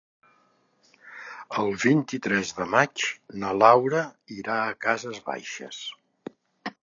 El vint-i-tres de maig na Laura irà a Cases Baixes.